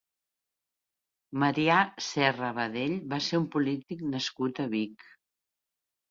Marià Serra Badell va ser un polític nascut a Vic.